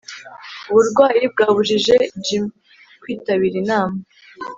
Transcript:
uburwayi bwabujije jim kwitabira inama.